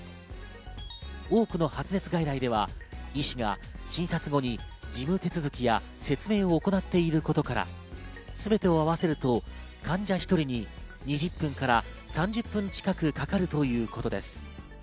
多くの発熱外来では医師が診察後に事務手続きや説明を行っていることから、すべてを合わせると患者１人に２０分から３０分近くかかるということです。